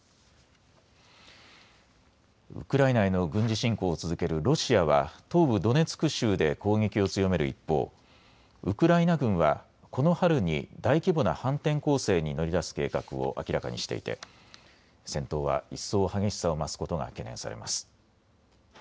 ウクライナへの軍事侵攻を続けるロシアは東部ドネツク州で攻撃を強める一方、ウクライナ軍はこの春に大規模な反転攻勢に乗り出す計画を明らかにしていて戦闘は一層激しさを増すことが懸念されます。